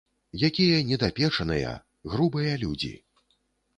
Якія недапечаныя, грубыя людзі.